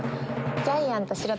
ジャイアント白田⁉